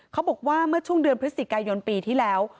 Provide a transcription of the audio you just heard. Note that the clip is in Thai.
เขาบอกว่าเมื่อช่วงเดือนพยที่แล้ว